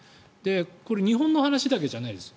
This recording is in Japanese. これ日本の話だけじゃないです。